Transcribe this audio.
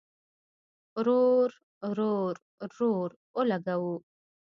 رور، رور، رور اولګوو